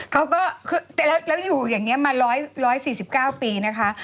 เขาก็คือแล้วอยู่อย่างนี้มา๑๔๙ปีนะคะ